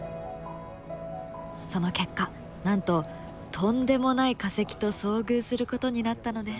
その結果なんととんでもない化石と遭遇することになったのです。